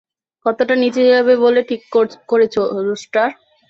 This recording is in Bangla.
কতটা নিচে যাবে বলে ঠিক করেছো, রুস্টার?